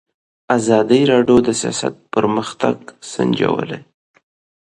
ازادي راډیو د سیاست پرمختګ سنجولی.